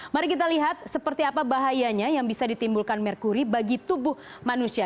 mari kita lihat seperti apa bahayanya yang bisa ditimbulkan merkuri bagi tubuh manusia